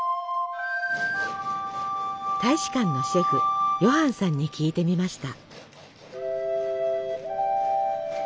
大使館のシェフヨハンさんに聞いてみました。